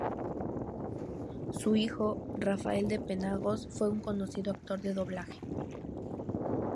Su hijo, Rafael de Penagos, fue un conocido actor de doblaje.